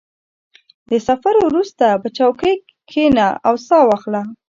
• د سفر وروسته، په چوکۍ کښېنه او سا واخله.